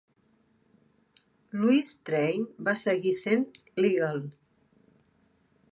Louis Train va seguir sent l'"Eagle".